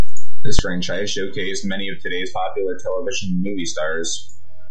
This franchise showcased many of today's popular television and movie stars.